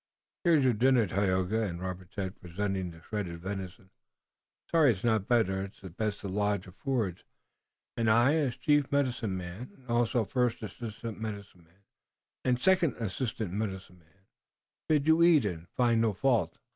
"Here is your dinner, Tayoga," said Robert, presenting the shredded venison. "I'm sorry it's not better, but it's the best the lodge affords, and I, as chief medicine man and also as first assistant medicine man and second assistant medicine man, bid you eat and find no fault."